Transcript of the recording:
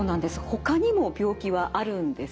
ほかにも病気はあるんですね。